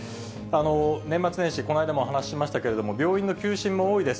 年末年始、この間もお話ししましたけれども、病院の休診も多いです。